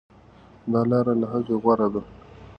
دا لاره له هغې غوره ده.